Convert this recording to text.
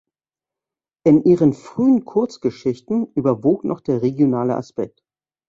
In ihren frühen Kurzgeschichten überwog noch der regionale Aspekt.